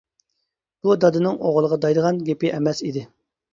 بۇ دادىنىڭ ئوغۇلغا دەيدىغان گېپى ئەمەس ئىدى.